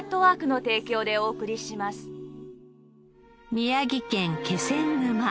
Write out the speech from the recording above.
宮城県気仙沼。